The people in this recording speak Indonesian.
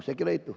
saya kira itu